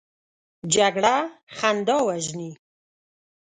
جګړه خندا وژني